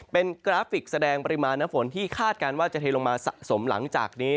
เป็นกราฟิกแสดงปริมาณน้ำฝนที่คาดการณ์ว่าจะเทลงมาสะสมหลังจากนี้